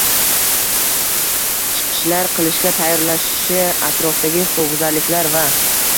chiqishlar qilishga tayyorlashi, atrofdagi huquqbuzarliklar va